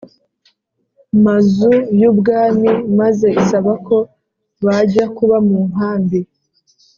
Mazu y Ubwami maze isaba ko bajya kuba mu nkambi